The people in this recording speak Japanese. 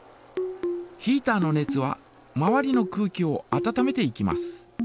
ヒータの熱は周りの空気を温めていきます。